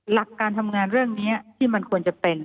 หลักการทำงานเรื่องนี้ที่มันควรจะเป็น